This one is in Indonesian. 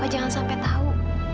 papa jangan sampai tahu